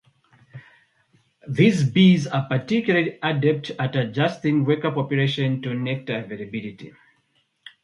These bees are particularly adept at adjusting worker population to nectar availability.